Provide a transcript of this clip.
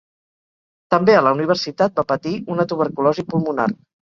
També a la universitat va patir una tuberculosi pulmonar.